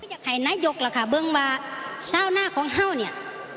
ให้นายกแม้ว่าเช้าหน้าของเขาเนี่ย